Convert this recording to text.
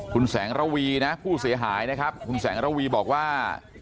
คุณแสงระวีนะผู้เสียหายนะครับคุณแสงระวีบอกว่า